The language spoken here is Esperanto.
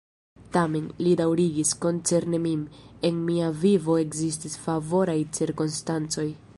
Tamen, li daŭrigis, koncerne min, en mia vivo ekzistis favoraj cirkonstancoj.